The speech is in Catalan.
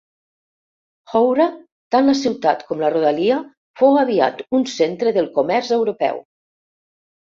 Howrah, tant la ciutat com la rodalia, fou aviat un centre del comerç europeu.